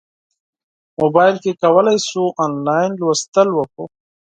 موبایل کې کولی شو انلاین لوستل وکړو.